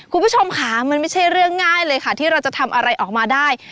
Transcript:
คุณผู้ชมค่ะมันไม่ใช่เรื่องง่ายเลยค่ะที่เราจะทำอะไรออกมาได้